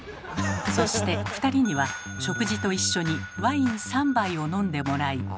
そして２人には食事と一緒にワイン３杯を飲んでもらい。